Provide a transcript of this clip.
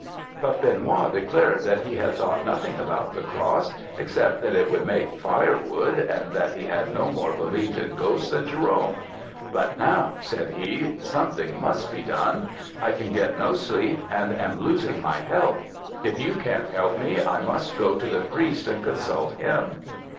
"But Benoît declared that he had thought nothing about the cross, except that it would make fire wood, and that he had no more believed in ghosts than Jerome; 'but now,' said he, 'something must be done. I can get no sleep and am losing my health; if you can't help me, I must go to the priest and consult him.'